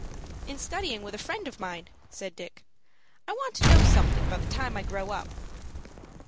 "In studying with a friend of mine," said Dick. "I want to know something by the time I grow up."